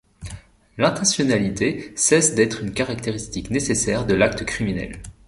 L’intentionnalité cesse d’être une caractéristique nécessaire de l’acte criminel.